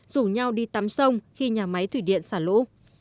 rủ nhau đi tắm sông khi nhà máy thủy điện xả lũ